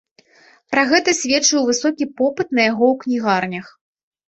Пра гэта сведчыў высокі попыт на яго ў кнігарнях.